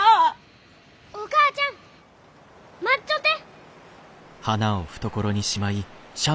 お母ちゃん待っちょって！